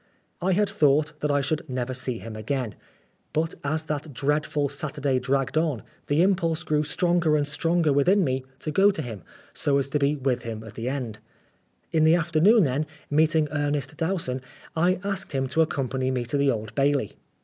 I had thought that I should never see him again. But as that dreadful Saturday dragged on, the impulse grew stronger and 1 86 Oscar Wilde stronger within me to go to him, so as to be with him at the end. In the afternoon then, meeting Ernest Dowson, I asked him to accompany me to the Old Bailey.